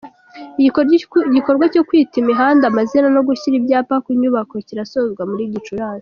Igikorwa cyo kwita imihanda amazina no gushyira ibyapa ku nyubako kirasozwa muri Gicurasi